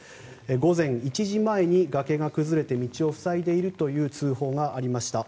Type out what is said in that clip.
午前１時前に崖が崩れて道を塞いでいるという通報がありました。